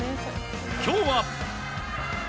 今日は。